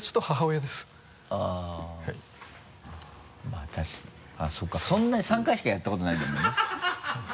まぁそうかそんなに３回しかやったことないんだもんね？